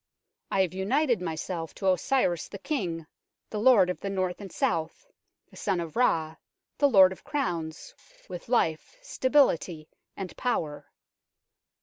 I have united myself to Osiris the King, the lord of the North and South, the Son of Ra, the Lord of Crowns, with life, stability and power.